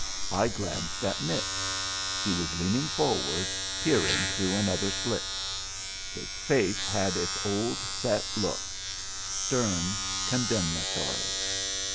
I glanced at Mick. He was leaning forward, peering through another slit. His face had its old set look; stern, condemnatory.